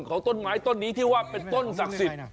ของต้นไม้ต้นนี้ที่ว่าเป็นต้นศักดิ์สิทธิ์